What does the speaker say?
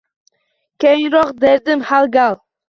Keyinroq, derdim har gal